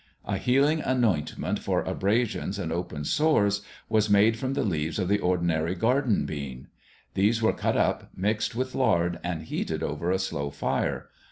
A healing ointment for abrasions and open sores was made from the leaves of the ordinary garden bean. These were cut up, mixed with lard, and heated over a slow fire.